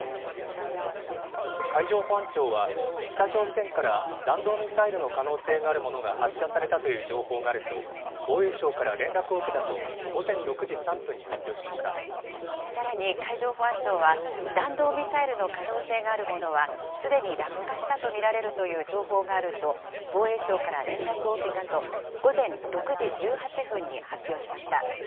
海上保安庁は、北朝鮮から弾道ミサイルの可能性があるものが発射されたという情報があると、防衛省から連絡を受けたと、午前６時３分に発表しまさらに海上保安庁は、弾道ミサイルの可能性があるものは、すでに落下したと見られるという情報があると、防衛省から連絡を受けたと、午前６時１８分に発表しました。